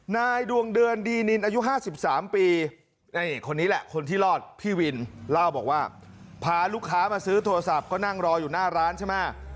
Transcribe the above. นายดวงเดือนดีนินอายุ๕๓ปีนี่คนนี้แหละคนที่รอดพี่วินเล่าบอกว่าพาลูกค้ามาซื้อโทรศัพท์ก็นั่งรออยู่หน้าร้านใช่ไหม